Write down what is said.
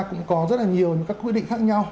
cũng có rất là nhiều những cái quy định khác nhau